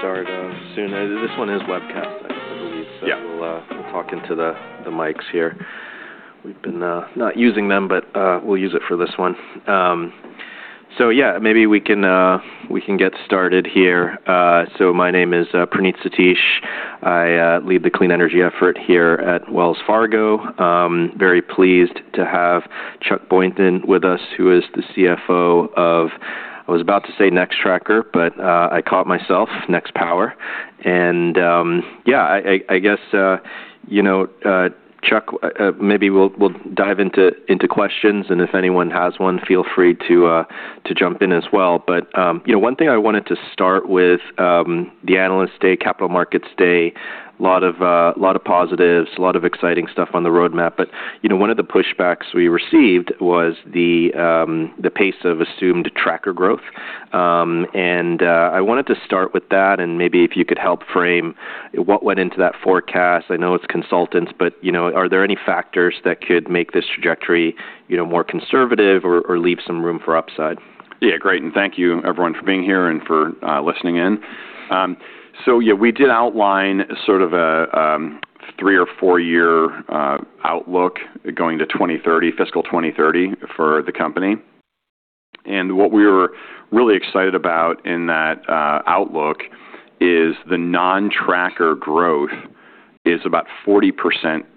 Start soon. This one is a webcast, I believe, so we'll talk into the mics here. We've been not using them, but we'll use it for this one. Yeah, maybe we can get started here. My name is Praneeth Satish. I lead the clean energy effort here at Wells Fargo. Very pleased to have Chuck Boynton with us, who is the CFO of, I was about to say Next Tracker, but I caught myself, Nextpower. Yeah, I guess, you know, Chuck, maybe we'll dive into questions, and if anyone has one, feel free to jump in as well. You know, one thing I wanted to start with, the analyst day, capital markets day, a lot of positives, a lot of exciting stuff on the roadmap. But, you know, one of the pushbacks we received was the pace of assumed tracker growth. And, I wanted to start with that, and maybe if you could help frame what went into that forecast. I know it's consultants, but, you know, are there any factors that could make this trajectory, you know, more conservative or leave some room for upside? Yeah, great. And thank you, everyone, for being here and for listening in. So yeah, we did outline sort of a three or four-year outlook going to 2030, fiscal 2030, for the company. And what we were really excited about in that outlook is the non-tracker growth is about 40%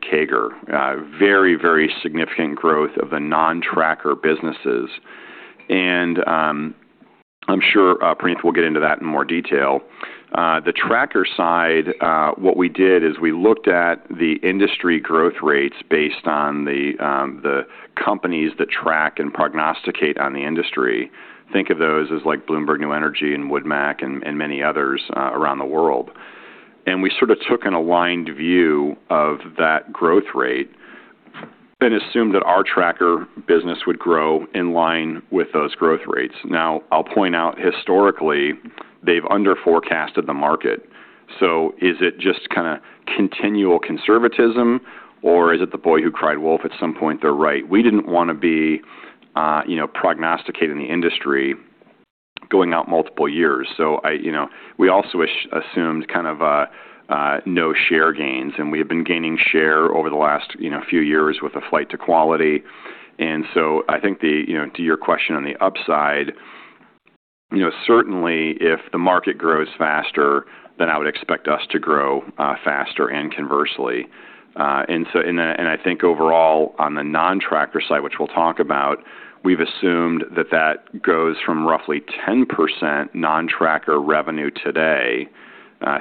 CAGR, very, very significant growth of the non-tracker businesses. And I'm sure Praneet we'll get into that in more detail. The tracker side, what we did is we looked at the industry growth rates based on the companies that track and prognosticate on the industry. Think of those as like Bloomberg New Energy and Wood Mackenzie and many others around the world. And we sort of took an aligned view of that growth rate and assumed that our tracker business would grow in line with those growth rates. Now, I'll point out, historically, they've under-forecasted the market. So is it just kinda continual conservatism, or is it the boy who cried wolf at some point? They're right. We didn't wanna be, you know, prognosticating the industry going out multiple years. So, you know, we also assumed kind of no share gains, and we have been gaining share over the last, you know, few years with a flight to quality. And so I think, you know, to your question on the upside, you know, certainly if the market grows faster, then I would expect us to grow faster and conversely. And so I think overall on the non-tracker side, which we'll talk about, we've assumed that that goes from roughly 10% non-tracker revenue today.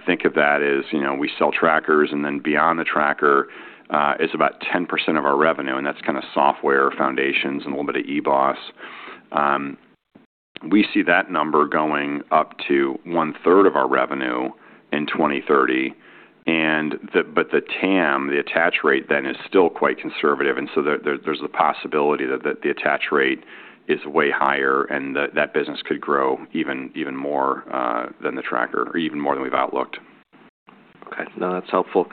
Think of that as, you know, we sell trackers, and then beyond the tracker, it's about 10% of our revenue, and that's kinda software foundations and a little bit of eBOS. We see that number going up to one-third of our revenue in 2030. But the TAM, the attach rate then is still quite conservative, and so there's the possibility that the attach rate is way higher and that business could grow even more than the tracker or even more than we've outlooked. Okay. No, that's helpful.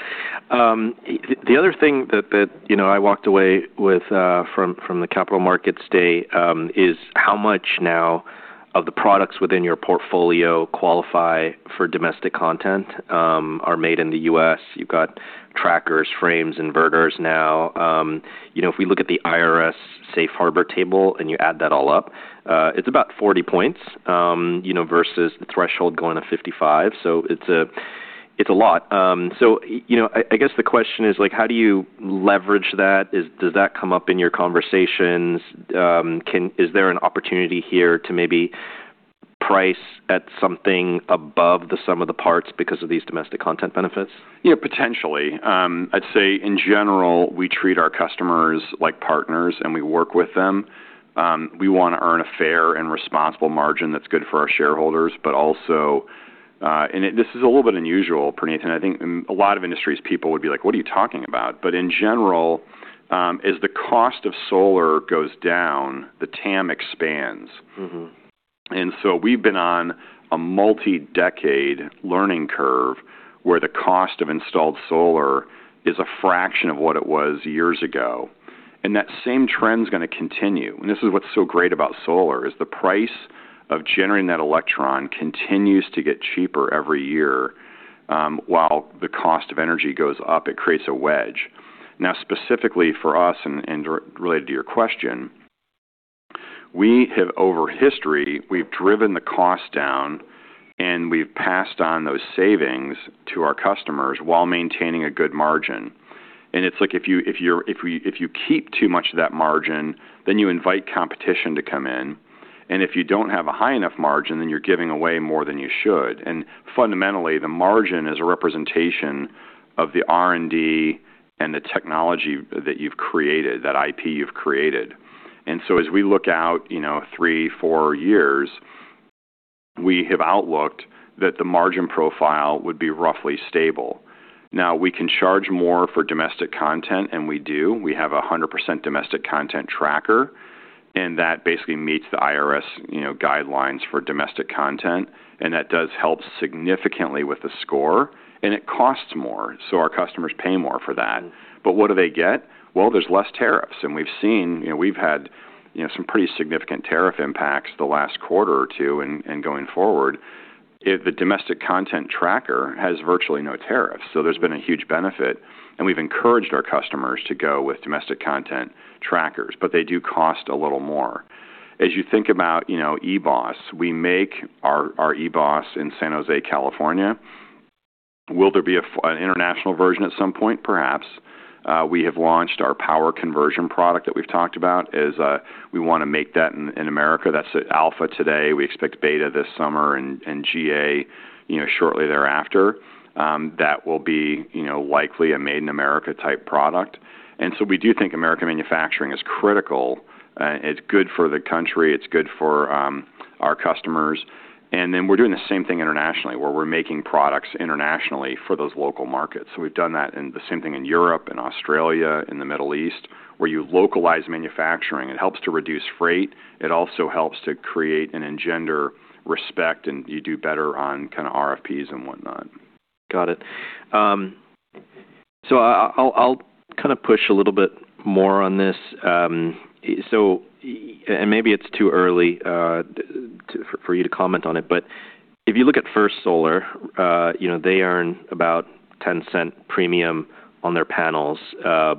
The other thing that you know I walked away with from the capital markets day is how much now of the products within your portfolio qualify for domestic content, are made in the U.S. You've got trackers, frames, inverters now. You know, if we look at the IRS safe harbor table and you add that all up, it's about 40 points you know versus the threshold going to 55. It's a lot. You know, I guess the question is like how do you leverage that? Does that come up in your conversations? Is there an opportunity here to maybe price at something above the sum of the parts because of these domestic content benefits? You know, potentially. I'd say in general, we treat our customers like partners and we work with them. We wanna earn a fair and responsible margin that's good for our shareholders, but also, and this is a little bit unusual, Praneet, and I think a lot of industries' people would be like, "What are you talking about?" But in general, as the cost of solar goes down, the TAM expands. Mm-hmm. And so we've been on a multi-decade learning curve where the cost of installed solar is a fraction of what it was years ago. And that same trend's gonna continue. And this is what's so great about solar is the price of generating that electron continues to get cheaper every year, while the cost of energy goes up. It creates a wedge. Now, specifically for us and related to your question, over history, we've driven the cost down and we've passed on those savings to our customers while maintaining a good margin. And it's like if you keep too much of that margin, then you invite competition to come in. And if you don't have a high enough margin, then you're giving away more than you should. Fundamentally, the margin is a representation of the R&D and the technology that you've created, that IP you've created. As we look out, you know, three, four years, we have outlooked that the margin profile would be roughly stable. Now, we can charge more for domestic content, and we do. We have a 100% domestic content tracker, and that basically meets the IRS, you know, guidelines for domestic content, and that does help significantly with the score. It costs more, so our customers pay more for that. What do they get? There's less tariffs. We've seen, you know, we've had, you know, some pretty significant tariff impacts the last quarter or two and going forward. If the domestic content tracker has virtually no tariffs, so there's been a huge benefit, and we've encouraged our customers to go with domestic content trackers, but they do cost a little more. As you think about, you know, eBOS, we make our eBOS in San Jose, California. Will there be an international version at some point? Perhaps. We have launched our power conversion product that we've talked about as we wanna make that in America. That's at Alpha today. We expect Beta this summer and GA, you know, shortly thereafter. That will be, you know, likely a made-in-America type product. And so we do think American manufacturing is critical, it's good for the country, it's good for our customers, and then we're doing the same thing internationally where we're making products internationally for those local markets. So we've done that in the same thing in Europe, in Australia, in the Middle East, where you localize manufacturing. It helps to reduce freight. It also helps to create and engender respect, and you do better on kinda RFPs and whatnot. Got it, so I'll kinda push a little bit more on this and maybe it's too early for you to comment on it, but if you look at First Solar, you know, they earn about $0.10 premium on their panels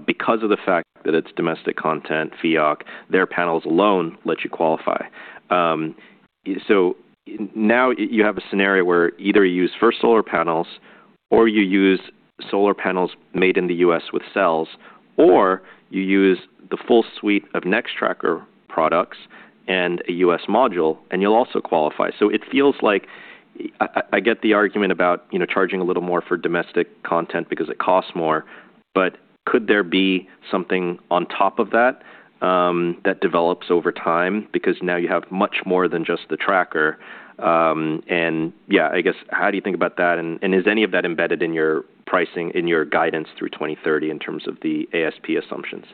because of the fact that it's domestic content, FEOC, their panels alone let you qualify, so now you have a scenario where either you use First Solar panels or you use solar panels made in the U.S. with cells, or you use the full suite of Nextracker products and a U.S. module, and you'll also qualify. It feels like I get the argument about, you know, charging a little more for domestic content because it costs more, but could there be something on top of that that develops over time because now you have much more than just the tracker? and yeah, I guess, how do you think about that? And is any of that embedded in your pricing, in your guidance through 2030 in terms of the ASP assumptions?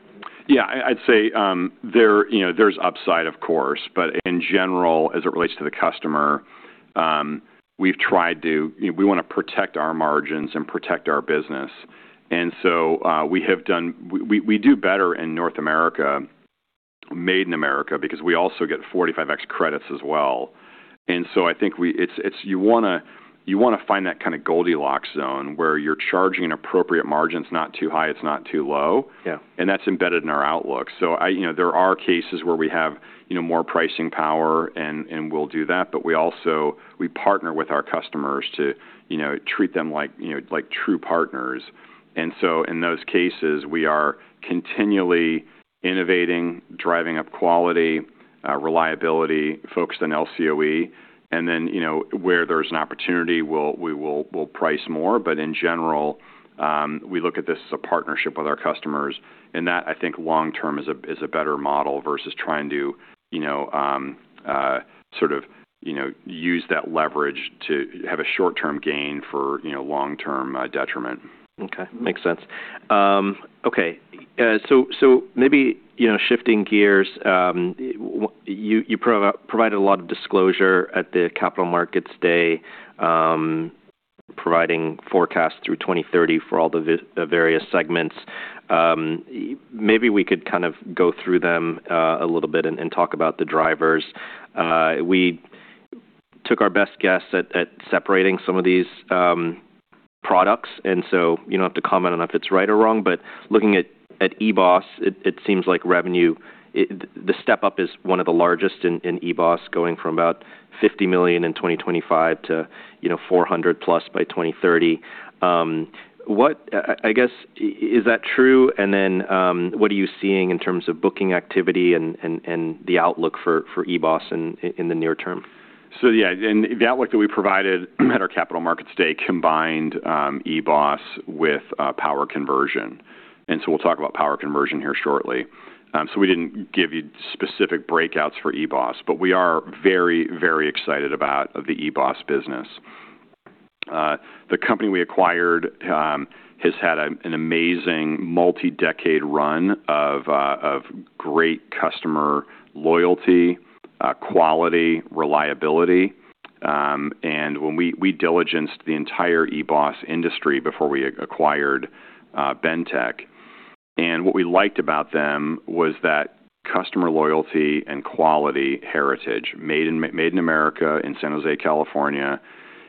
Yeah, I'd say, you know, there's upside, of course, but in general, as it relates to the customer, we've tried to, you know, we wanna protect our margins and protect our business, and so we do better in North America, made in America, because we also get 45X credits as well. And so I think it's you wanna find that kinda Goldilocks zone where you're charging an appropriate margin. It's not too high, it's not too low. Yeah. And that's embedded in our outlook. So I, you know, there are cases where we have, you know, more pricing power and we'll do that, but we also, we partner with our customers to, you know, treat them like, you know, like true partners. And so in those cases, we are continually innovating, driving up quality, reliability, focused on LCOE. And then, you know, where there's an opportunity, we'll price more. But in general, we look at this as a partnership with our customers. And that, I think, long term is a better model versus trying to, you know, sort of, you know, use that leverage to have a short-term gain for, you know, long-term detriment. Okay. Makes sense. Okay. So maybe, you know, shifting gears, you provided a lot of disclosure at the Capital Markets Day, providing forecasts through 2030 for all the various segments. Maybe we could kind of go through them a little bit and talk about the drivers. We took our best guess at separating some of these products. So you don't have to comment on if it's right or wrong, but looking at EBOS, it seems like revenue, the step up is one of the largest in EBOS, going from about $50 million in 2025 to, you know, $400 million plus by 2030. What, I guess, is that true? And then, what are you seeing in terms of booking activity and the outlook for EBOS in the near term? So yeah, and the outlook that we provided at our capital markets day combined eBOS with power conversion. And so we'll talk about power conversion here shortly. So we didn't give you specific breakouts for eBOS, but we are very, very excited about the eBOS business. The company we acquired has had an amazing multi-decade run of great customer loyalty, quality, reliability. And when we diligenced the entire eBOS industry before we acquired Bentek. And what we liked about them was that customer loyalty and quality heritage, made in America, in San Jose, California.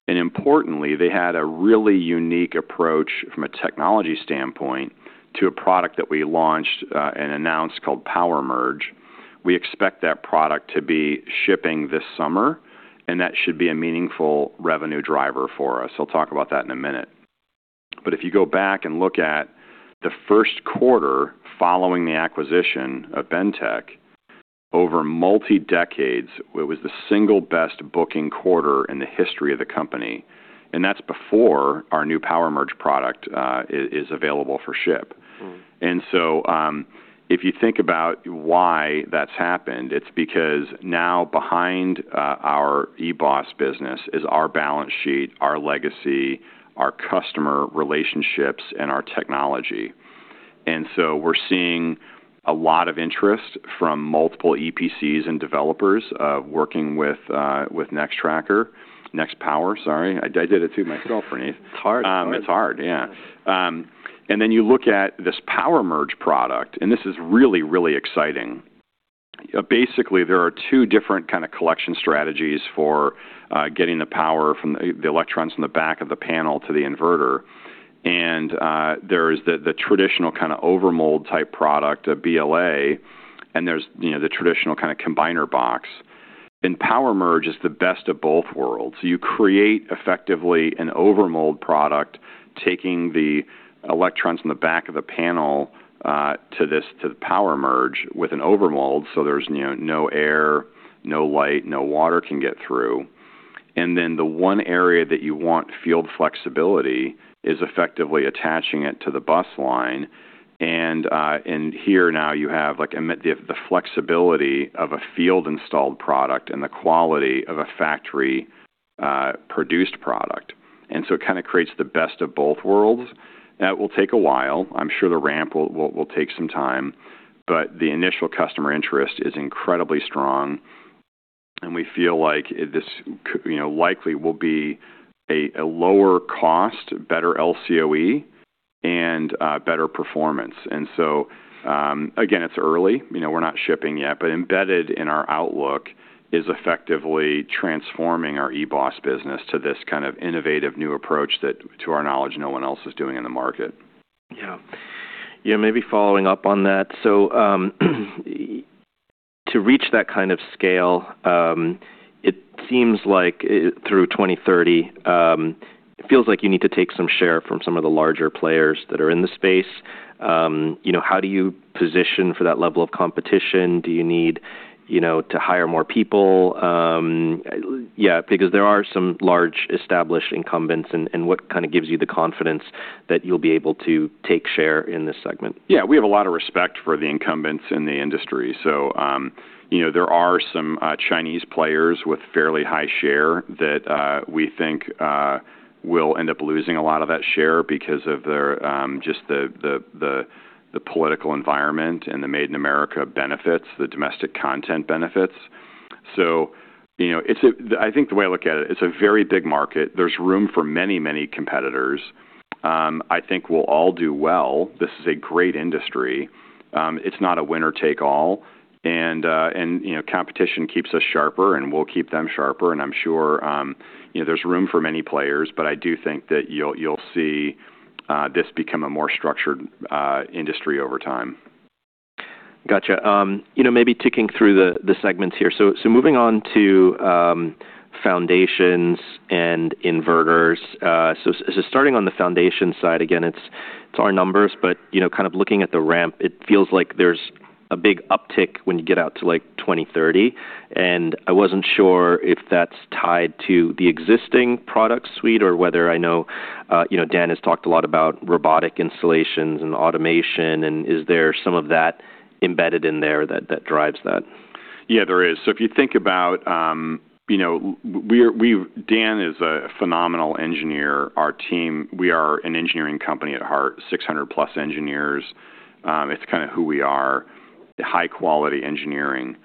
And importantly, they had a really unique approach from a technology standpoint to a product that we launched and announced called PowerMerge. We expect that product to be shipping this summer, and that should be a meaningful revenue driver for us. I'll talk about that in a minute. But if you go back and look at the first quarter following the acquisition of Bentek, over multiple decades, it was the single best booking quarter in the history of the company. And that's before our new PowerMerge product is available for ship. Mm-hmm. And so, if you think about why that's happened, it's because now behind our eBOS business is our balance sheet, our legacy, our customer relationships, and our technology. And so we're seeing a lot of interest from multiple EPCs and developers, working with Nextracker, Nextpower, sorry. I did it too myself, Praneeth. It's hard. It's hard, yeah. And then you look at this PowerMerge product, and this is really, really exciting. Basically, there are two different kinda collection strategies for getting the power from the electrons in the back of the panel to the inverter. And there's the traditional kinda overmold type product, a BLA, and there's you know the traditional kinda combiner box. And PowerMerge is the best of both worlds. You create effectively an overmold product, taking the electrons in the back of the panel to the PowerMerge with an overmold, so there's you know no air, no light, no water can get through. And then the one area that you want field flexibility is effectively attaching it to the bus line. And here now you have, like, the flexibility of a field-installed product and the quality of a factory-produced product. And so it kinda creates the best of both worlds. Now, it will take a while. I'm sure the ramp will take some time, but the initial customer interest is incredibly strong. And we feel like this could, you know, likely will be a lower cost, better LCOE, and better performance. And so, again, it's early. You know, we're not shipping yet, but embedded in our outlook is effectively transforming our eBOS business to this kind of innovative new approach that, to our knowledge, no one else is doing in the market. Yeah. Yeah, maybe following up on that. So, to reach that kind of scale, it seems like, through 2030, it feels like you need to take some share from some of the larger players that are in the space. You know, how do you position for that level of competition? Do you need, you know, to hire more people? Yeah, because there are some large established incumbents, and what kinda gives you the confidence that you'll be able to take share in this segment? Yeah, we have a lot of respect for the incumbents in the industry. So, you know, there are some Chinese players with fairly high share that we think will end up losing a lot of that share because of their just the political environment and the made-in-America benefits, the domestic content benefits. So, you know, it's a, I think the way I look at it, it's a very big market. There's room for many, many competitors. I think we'll all do well. This is a great industry. It's not a winner-take-all, and you know, competition keeps us sharper, and we'll keep them sharper, and I'm sure, you know, there's room for many players, but I do think that you'll see this become a more structured industry over time. Gotcha. You know, maybe ticking through the segments here. So moving on to foundations and inverters. So starting on the foundation side, again, it's our numbers, but you know, kind of looking at the ramp, it feels like there's a big uptick when you get out to like 2030. And I wasn't sure if that's tied to the existing product suite or whether, I know, you know, Dan has talked a lot about robotic installations and automation. And is there some of that embedded in there that drives that? Yeah, there is, so if you think about, you know, we are, Dan is a phenomenal engineer. Our team, we are an engineering company at heart, 600-plus engineers. It's kinda who we are, high-quality engineering,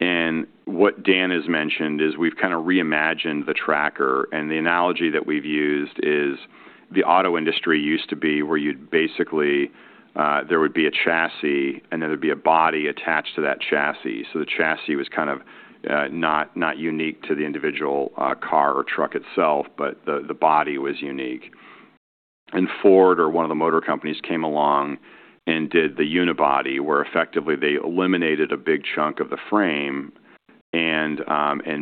and what Dan has mentioned is we've kinda reimagined the tracker, and the analogy that we've used is the auto industry used to be where you'd basically there would be a chassis, and then there'd be a body attached to that chassis, so the chassis was kind of not unique to the individual car or truck itself, but the body was unique, and Ford, or one of the motor companies, came along and did the unibody, where effectively they eliminated a big chunk of the frame and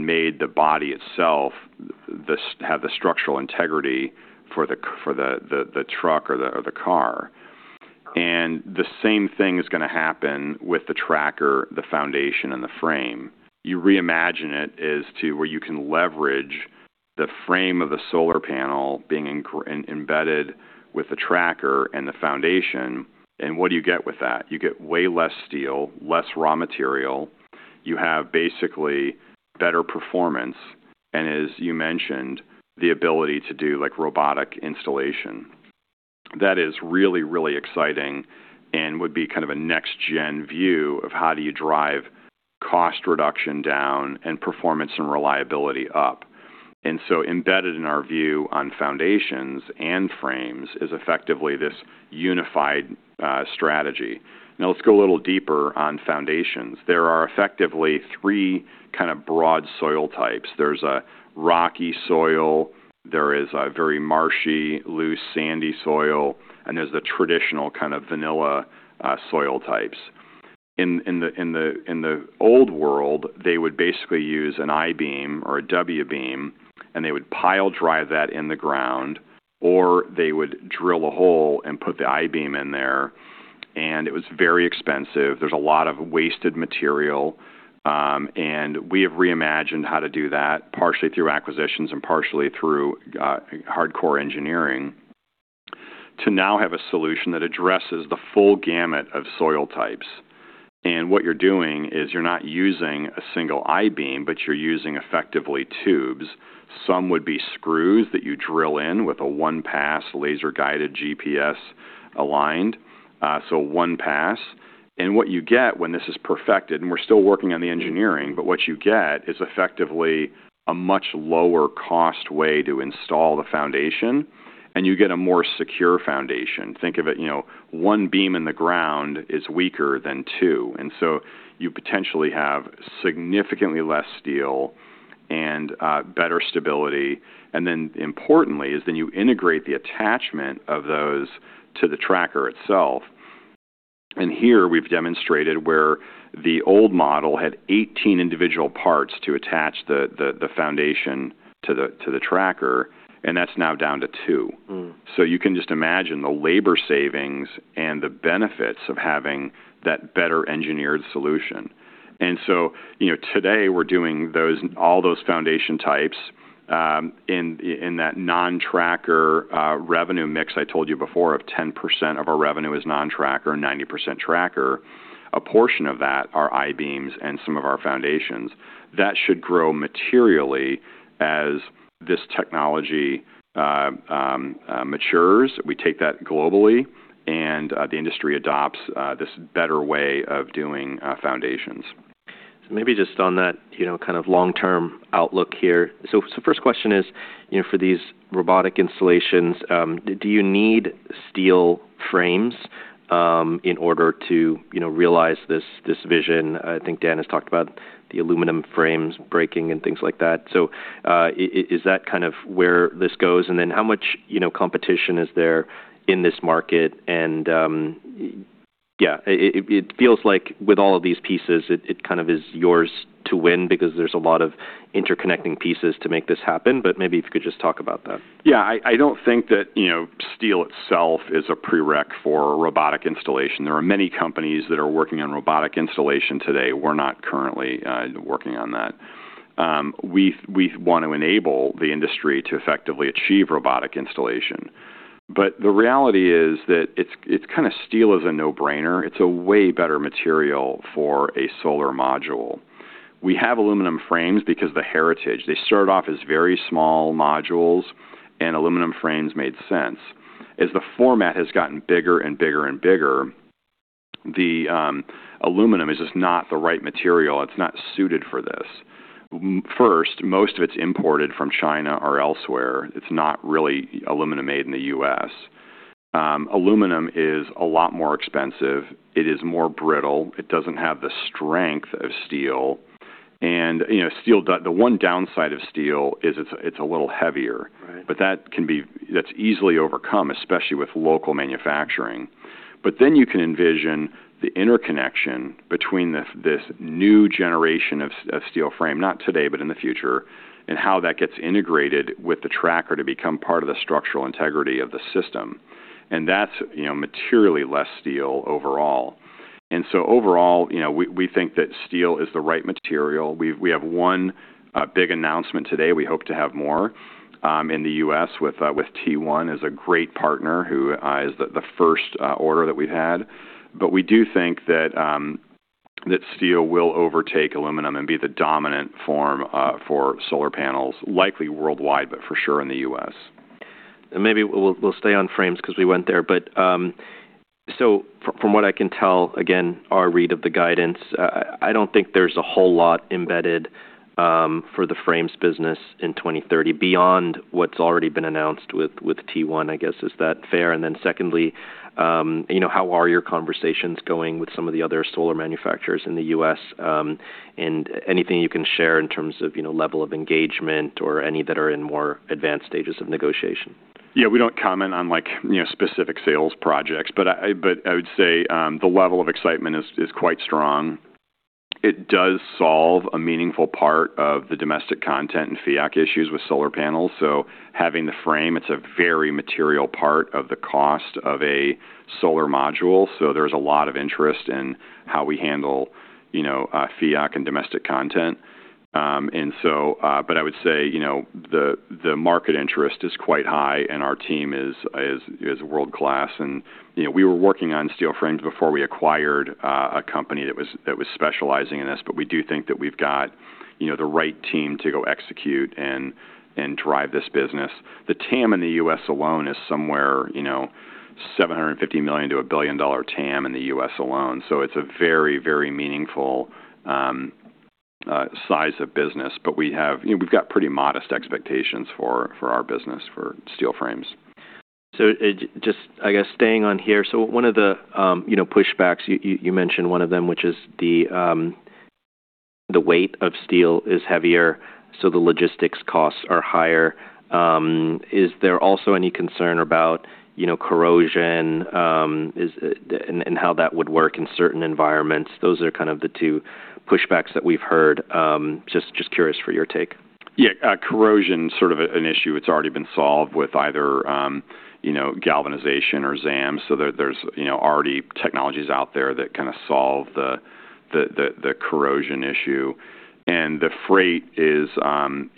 made the body itself have the structural integrity for the truck or the car. The same thing is gonna happen with the tracker, the foundation, and the frame. You reimagine it as to where you can leverage the frame of the solar panel being embedded with the tracker and the foundation. What do you get with that? You get way less steel, less raw material. You have basically better performance and, as you mentioned, the ability to do, like, robotic installation. That is really, really exciting and would be kind of a next-gen view of how do you drive cost reduction down and performance and reliability up. So embedded in our view on foundations and frames is effectively this unified strategy. Now let's go a little deeper on foundations. There are effectively three kinda broad soil types. There's a rocky soil, there is a very marshy, loose, sandy soil, and there's the traditional kind of vanilla soil types. In the old world, they would basically use an I-beam or a W-beam, and they would pile drive that in the ground, or they would drill a hole and put the I-beam in there. It was very expensive. There's a lot of wasted material. We have reimagined how to do that, partially through acquisitions and partially through hardcore engineering, to now have a solution that addresses the full gamut of soil types. What you're doing is you're not using a single I-beam, but you're using effectively tubes. Some would be screws that you drill in with a one-pass laser-guided GPS aligned, so one pass. What you get when this is perfected, and we're still working on the engineering, but what you get is effectively a much lower-cost way to install the foundation, and you get a more secure foundation. Think of it, you know, one beam in the ground is weaker than two. And so you potentially have significantly less steel and better stability. And then importantly is then you integrate the attachment of those to the tracker itself. And here we've demonstrated where the old model had 18 individual parts to attach the foundation to the tracker, and that's now down to two. Mm-hmm. You can just imagine the labor savings and the benefits of having that better engineered solution. You know, today we're doing all those foundation types in that non-tracker revenue mix I told you before of 10% of our revenue is non-tracker, 90% tracker. A portion of that are I-beams and some of our foundations. That should grow materially as this technology matures. We take that globally, and the industry adopts this better way of doing foundations. So maybe just on that, you know, kind of long-term outlook here. So first question is, you know, for these robotic installations, do you need steel frames, in order to, you know, realize this, this vision? I think Dan has talked about the aluminum frames breaking and things like that. So is that kind of where this goes? And then how much, you know, competition is there in this market? And yeah, it feels like with all of these pieces, it kind of is yours to win because there's a lot of interconnecting pieces to make this happen. But maybe if you could just talk about that. Yeah, I don't think that, you know, steel itself is a prereq for robotic installation. There are many companies that are working on robotic installation today. We're not currently working on that. We wanna enable the industry to effectively achieve robotic installation. But the reality is that it's kinda steel is a no-brainer. It's a way better material for a solar module. We have aluminum frames because of the heritage. They started off as very small modules, and aluminum frames made sense. As the format has gotten bigger and bigger and bigger, aluminum is just not the right material. It's not suited for this. First, most of it's imported from China or elsewhere. It's not really aluminum made in the US. Aluminum is a lot more expensive. It is more brittle. It doesn't have the strength of steel. You know, steel. The one downside of steel is it's a little heavier. Right. But that can be. That's easily overcome, especially with local manufacturing. But then you can envision the interconnection between this new generation of steel frame, not today, but in the future, and how that gets integrated with the tracker to become part of the structural integrity of the system. And that's, you know, materially less steel overall. And so overall, you know, we think that steel is the right material. We have one big announcement today. We hope to have more in the US with T1 as a great partner who is the first order that we've had. But we do think that steel will overtake aluminum and be the dominant form for solar panels, likely worldwide, but for sure in the US. And maybe we'll stay on frames 'cause we went there. But so from what I can tell, again, our read of the guidance, I don't think there's a whole lot embedded for the frames business in 2030 beyond what's already been announced with T1, I guess. Is that fair? And then secondly, you know, how are your conversations going with some of the other solar manufacturers in the U.S.? And anything you can share in terms of, you know, level of engagement or any that are in more advanced stages of negotiation? Yeah, we don't comment on, like, you know, specific sales projects, but I would say the level of excitement is quite strong. It does solve a meaningful part of the domestic content and FEOC issues with solar panels. So having the frame, it's a very material part of the cost of a solar module. So there's a lot of interest in how we handle, you know, FEOC and domestic content, and so, but I would say, you know, the market interest is quite high, and our team is world-class, and you know, we were working on steel frames before we acquired a company that was specializing in this, but we do think that we've got, you know, the right team to go execute and drive this business. The TAM in the U.S. alone is somewhere, you know, $750 million to $1 billion TAM in the U.S. alone. So it's a very, very meaningful size of business. But we have, you know, we've got pretty modest expectations for, for our business for steel frames. So it just, I guess, staying on here. One of the, you know, pushbacks you mentioned one of them, which is the weight of steel is heavier, so the logistics costs are higher. Is there also any concern about, you know, corrosion and how that would work in certain environments? Those are kind of the two pushbacks that we've heard. Just curious for your take. Yeah, corrosion's sort of an issue that's already been solved with either, you know, galvanization or ZAM. So there's, you know, already technologies out there that kinda solve the corrosion issue. And the freight is,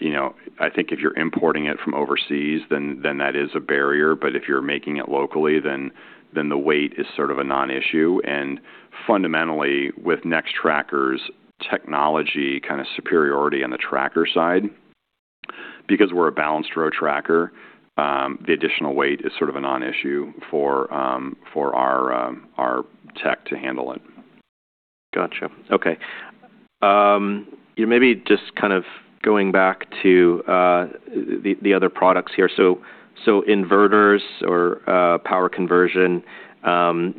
you know, I think if you're importing it from overseas, then that is a barrier. But if you're making it locally, then the weight is sort of a non-issue. And fundamentally, with NextTracker's technology kinda superiority on the tracker side, because we're a balanced row tracker, the additional weight is sort of a non-issue for our tech to handle it. Gotcha. Okay. You know, maybe just kind of going back to the other products here. So inverters or power conversion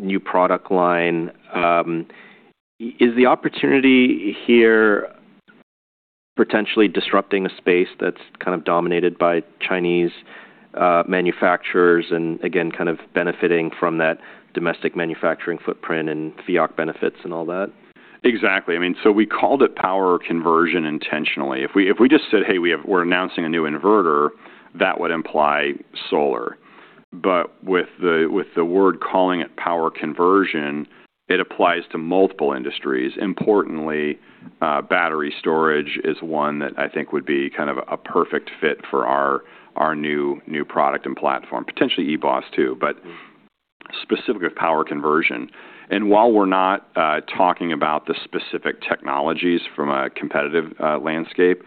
new product line is the opportunity here potentially disrupting a space that's kind of dominated by Chinese manufacturers and again kind of benefiting from that domestic manufacturing footprint and IRA benefits and all that? Exactly. I mean, so we called it power conversion intentionally. If we just said, "Hey, we're announcing a new inverter," that would imply solar. But with the word calling it power conversion, it applies to multiple industries. Importantly, battery storage is one that I think would be kind of a perfect fit for our new product and platform, potentially eBOS too, but specifically with power conversion. While we're not talking about the specific technologies from a competitive landscape,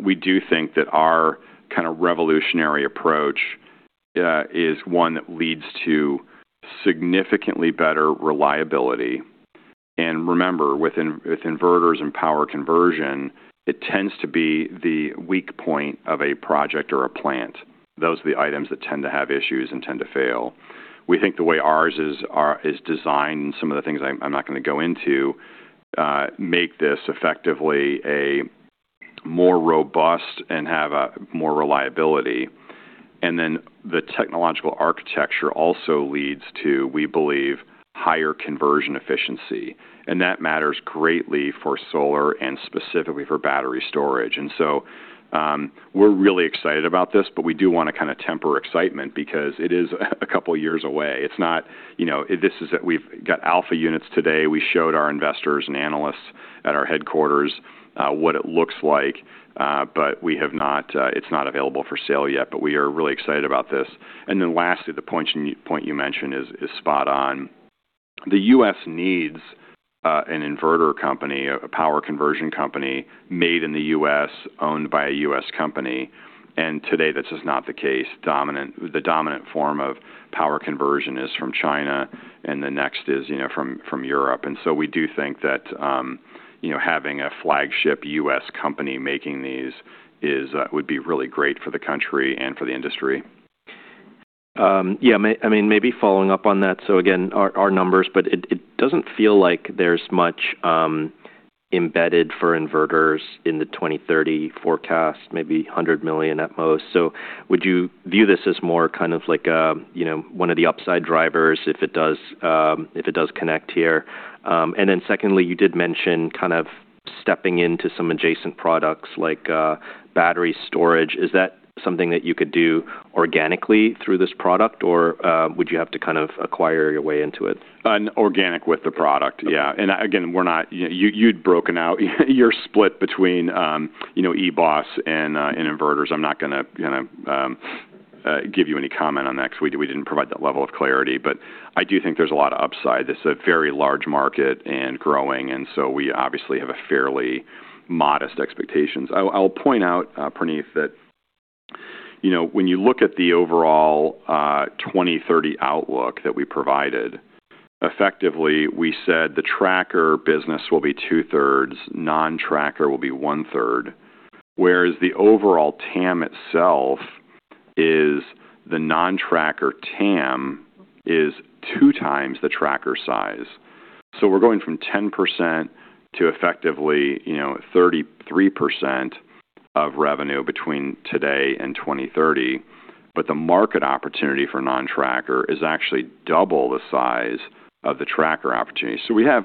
we do think that our kinda revolutionary approach is one that leads to significantly better reliability, and remember, with inverters and power conversion, it tends to be the weak point of a project or a plant. Those are the items that tend to have issues and tend to fail. We think the way ours is designed, and some of the things I'm not gonna go into make this effectively a more robust and have a more reliability, and then the technological architecture also leads to, we believe, higher conversion efficiency, and that matters greatly for solar and specifically for battery storage, and so we're really excited about this, but we do wanna kinda temper excitement because it is a couple of years away. It's not, you know, this is that we've got alpha units today. We showed our investors and analysts at our headquarters what it looks like, but we have not, it's not available for sale yet, but we are really excited about this, and then lastly the point you mentioned is spot on. The U.S. needs an inverter company, a power conversion company made in the U.S., owned by a U.S. company. And today, that's just not the case. The dominant form of power conversion is from China, and the next is, you know, from Europe. And so we do think that, you know, having a flagship U.S. company making these is, would be really great for the country and for the industry. Yeah, I mean, maybe following up on that. So again, our numbers, but it doesn't feel like there's much embedded for inverters in the 2030 forecast, maybe $100 million at most. So would you view this as more kind of like a, you know, one of the upside drivers if it does connect here? And then secondly, you did mention kind of stepping into some adjacent products like battery storage. Is that something that you could do organically through this product, or would you have to kind of acquire your way into it? An organic with the product, yeah, and again, we're not, you know, you, you'd broken out your split between, you know, eBOS and inverters. I'm not gonna give you any comment on that 'cause we didn't provide that level of clarity, but I do think there's a lot of upside. This is a very large market and growing, and so we obviously have fairly modest expectations. I'll point out, Praneeth, that, you know, when you look at the overall 2030 outlook that we provided, effectively, we said the tracker business will be two-thirds, non-tracker will be one-third, whereas the overall TAM itself, the non-tracker TAM, is two times the tracker size, so we're going from 10% to effectively, you know, 33% of revenue between today and 2030, but the market opportunity for non-tracker is actually double the size of the tracker opportunity. We have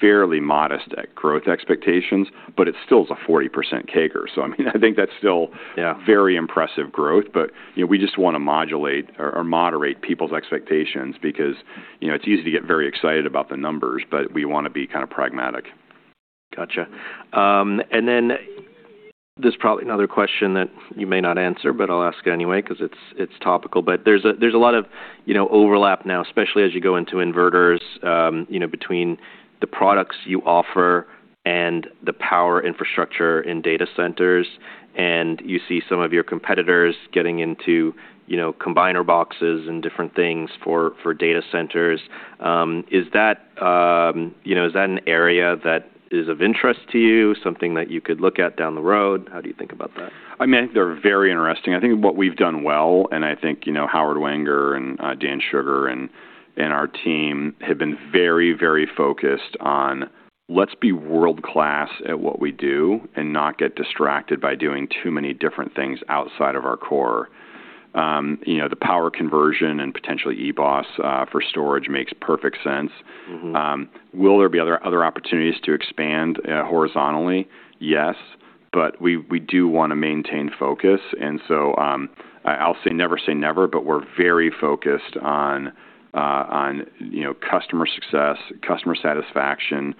fairly modest growth expectations, but it still is a 40% CAGR. I mean, I think that's still. Yeah. Very impressive growth, but you know, we just wanna modulate or, or moderate people's expectations because, you know, it's easy to get very excited about the numbers, but we wanna be kinda pragmatic. Gotcha, and then there's probably another question that you may not answer, but I'll ask it anyway 'cause it's, it's topical, but there's a, there's a lot of, you know, overlap now, especially as you go into inverters, you know, between the products you offer and the power infrastructure in data centers, and you see some of your competitors getting into, you know, combiner boxes and different things for, for data centers, is that, you know, is that an area that is of interest to you, something that you could look at down the road? How do you think about that? I mean, I think they're very interesting. I think what we've done well, and I think, you know, Howard Wenger and Dan Shugar and our team have been very, very focused on, let's be world-class at what we do and not get distracted by doing too many different things outside of our core. You know, the power conversion and potentially eBOS for storage makes perfect sense. Mm-hmm. Will there be other opportunities to expand, horizontally? Yes. But we do wanna maintain focus. And so, I'll say never say never, but we're very focused on, you know, customer success, customer satisfaction,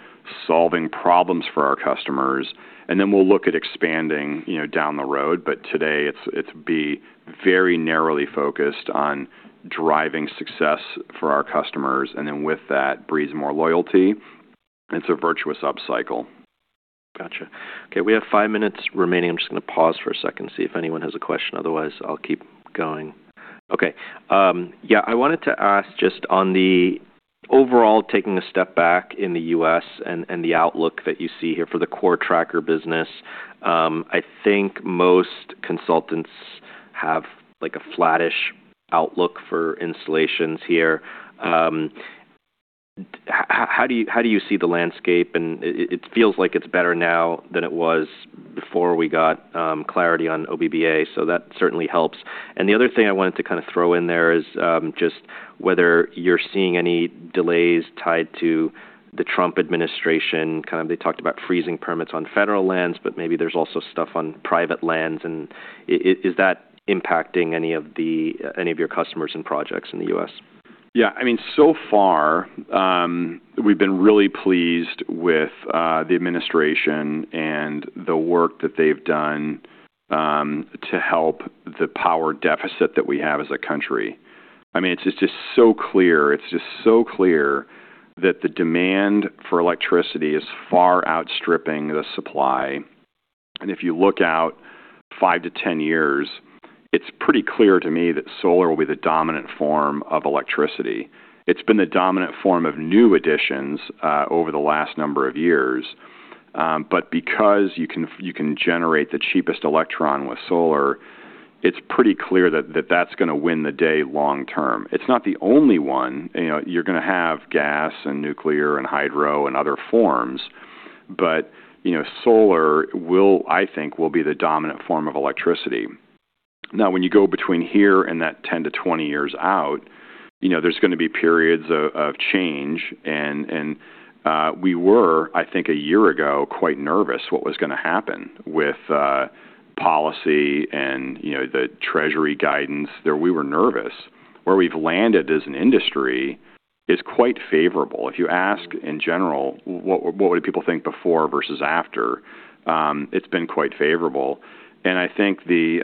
solving problems for our customers. And then we'll look at expanding, you know, down the road. But today, it's to be very narrowly focused on driving success for our customers and then with that, breeds more loyalty. It's a virtuous cycle. Gotcha. Okay. We have five minutes remaining. I'm just gonna pause for a second, see if anyone has a question. Otherwise, I'll keep going. Okay. Yeah, I wanted to ask just on the overall, taking a step back in the U.S. and the outlook that you see here for the core tracker business. I think most consultants have, like, a flattish outlook for installations here. How do you see the landscape? And it feels like it's better now than it was before we got clarity on IRA. So that certainly helps. And the other thing I wanted to kinda throw in there is just whether you're seeing any delays tied to the Trump administration. Kind of they talked about freezing permits on federal lands, but maybe there's also stuff on private lands. Is that impacting any of your customers and projects in the U.S.? Yeah. I mean, so far, we've been really pleased with the administration and the work that they've done to help the power deficit that we have as a country. I mean, it's, it's just so clear, it's just so clear that the demand for electricity is far outstripping the supply, and if you look out five to 10 years, it's pretty clear to me that solar will be the dominant form of electricity. It's been the dominant form of new additions over the last number of years. But because you can, you can generate the cheapest electron with solar, it's pretty clear that, that that's gonna win the day long-term. It's not the only one. You know, you're gonna have gas and nuclear and hydro and other forms, but, you know, solar will, I think, will be the dominant form of electricity. Now, when you go between here and that 10 to 20 years out, you know, there's gonna be periods of change, and we were, I think, a year ago quite nervous what was gonna happen with policy and, you know, the Treasury guidance. There we were nervous. Where we've landed as an industry is quite favorable. If you ask in general, what would people think before versus after, it's been quite favorable, and I think the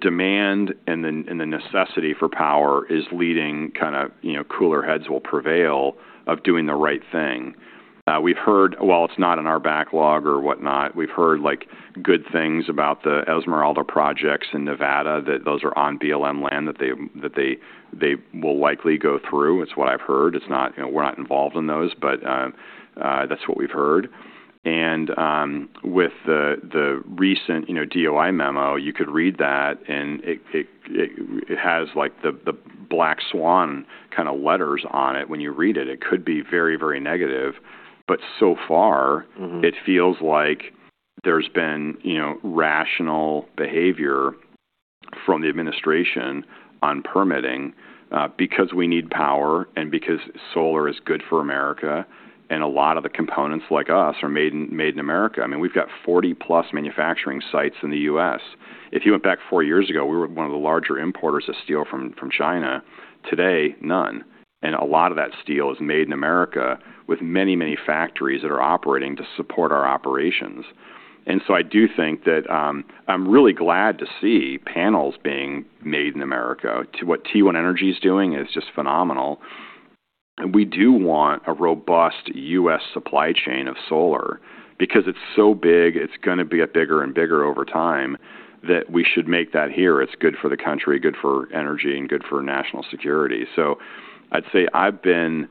demand and the necessity for power is leading kinda, you know, cooler heads will prevail of doing the right thing. We've heard, while it's not in our backlog or whatnot, we've heard, like, good things about the Esmeralda projects in Nevada, that those are on BLM land that they will likely go through. It's what I've heard. It's not, you know, we're not involved in those, but that's what we've heard. With the recent, you know, DOI memo, you could read that, and it has, like, the black swan kinda letters on it. When you read it, it could be very, very negative. But so far. Mm-hmm. It feels like there's been, you know, rational behavior from the administration on permitting, because we need power and because solar is good for America. And a lot of the components, like us, are made in America. I mean, we've got 40-plus manufacturing sites in the US. If you went back four years ago, we were one of the larger importers of steel from China. Today, none. And a lot of that steel is made in America with many, many factories that are operating to support our operations. And so I do think that, I'm really glad to see panels being made in America. What First Solar's doing is just phenomenal. And we do want a robust US supply chain of solar because it's so big, it's gonna be bigger and bigger over time that we should make that here. It's good for the country, good for energy, and good for national security. So I'd say I've been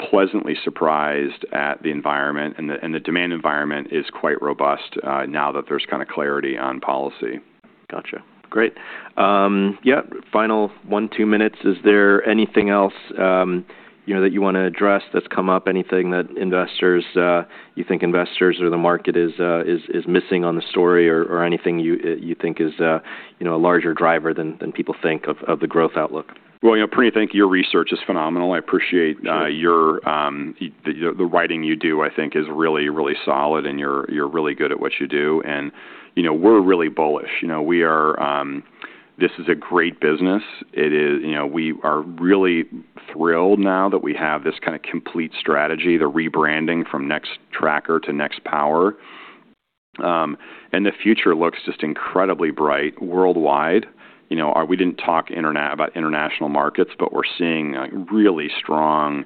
pleasantly surprised at the environment, and the demand environment is quite robust, now that there's kinda clarity on policy. Gotcha. Great. Yeah, final one, two minutes. Is there anything else, you know, that you wanna address that's come up? Anything that investors, you think investors or the market is missing on the story or anything you think is, you know, a larger driver than people think of the growth outlook? Well, you know, Praneeth, thank you. Your research is phenomenal. I appreciate. Yeah. Your writing you do, I think, is really, really solid, and you're really good at what you do. You know, we're really bullish. You know, we are. This is a great business. It is. You know, we are really thrilled now that we have this kinda complete strategy, the rebranding from Nextracker to NextPower. The future looks just incredibly bright worldwide. You know, we didn't talk in depth about international markets, but we're seeing really strong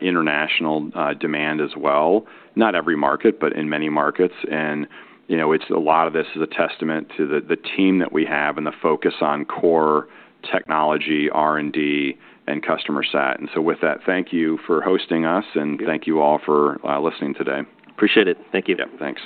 international demand as well. Not every market, but in many markets. You know, it's a lot of this is a testament to the team that we have and the focus on core technology, R&D, and customer set. So with that, thank you for hosting us, and thank you all for listening today. Appreciate it. Thank you. Yeah. Thanks.